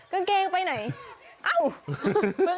กางเกงไปไหนเอ้า